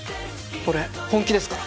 俺本気ですから。